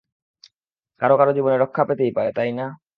কারোও কারোও জীবন রক্ষা পেতেই পারে, তাই না?